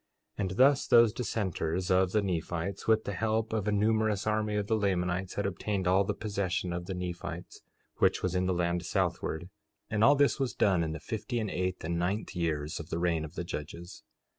4:8 And thus those dissenters of the Nephites, with the help of a numerous army of the Lamanites, had obtained all the possession of the Nephites which was in the land southward. And all this was done in the fifty and eighth and ninth years of the reign of the judges.